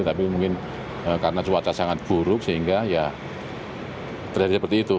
tapi mungkin karena cuaca sangat buruk sehingga ya terjadi seperti itu